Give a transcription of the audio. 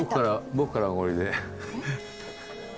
僕からのおごりです。